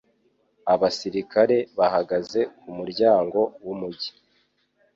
Abasirikare bahagaze ku muryango w’umujyi.